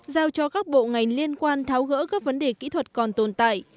giao cho các bộ ngành liên quan tháo gỡ các vấn đề kỹ thuật còn tồn tại